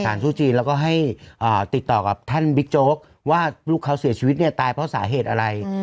สู้จีนแล้วก็ให้ติดต่อกับท่านบิ๊กโจ๊กว่าลูกเขาเสียชีวิตเนี่ยตายเพราะสาเหตุอะไร